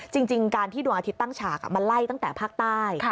จริงการที่ดวงอาทิตย์ตั้งฉากมันไล่ตั้งแต่ภาคใต้